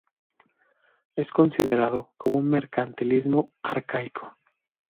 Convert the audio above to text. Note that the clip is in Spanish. Es considerado como un mercantilismo arcaico.